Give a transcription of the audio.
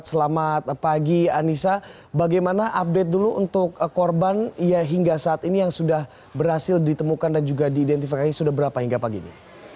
selamat pagi anissa bagaimana update dulu untuk korban yang hingga saat ini yang sudah berhasil ditemukan dan juga diidentifikasi sudah berapa hingga pagi ini